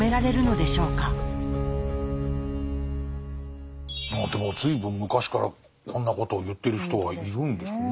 でも随分昔からこんなことを言ってる人がいるんですね。